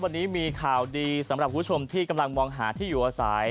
วันนี้มีข่าวดีสำหรับคุณผู้ชมที่กำลังมองหาที่อยู่อาศัย